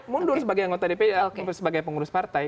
mundur sebagai anggota dpr sebagai pengurus partai